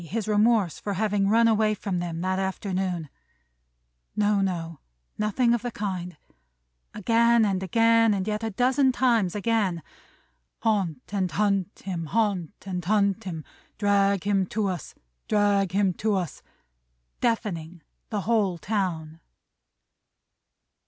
His remorse for having run away from them that afternoon! No, no. Nothing of the kind. Again, again, and yet a dozen times again. "Haunt and hunt him, haunt and hunt him, Drag him to us, drag him to us!" Deafening the whole town!